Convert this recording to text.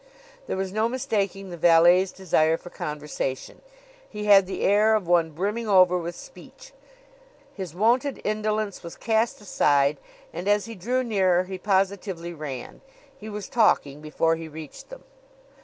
There was no mistaking the valet's desire for conversation. He had the air of one brimming over with speech. His wonted indolence was cast aside; and as he drew nearer he positively ran. He was talking before he reached them.